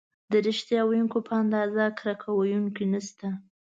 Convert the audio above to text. د ریښتیا ویونکي په اندازه کرکه کوونکي نشته.